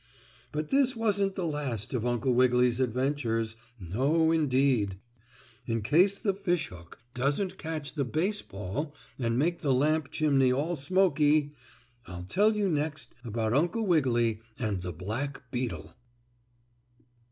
But this wasn't the last of Uncle Wiggily's adventures; no, indeed. In case the fish hook doesn't catch the baseball and make the lamp chimney all smoky, I'll tell you next about Uncle Wiggily and the black beetle.